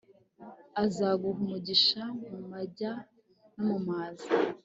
azaguha umugisha mu majya no mu maza